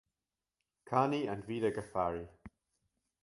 Carney and Vida Ghaffari.